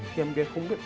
khi em gây không biết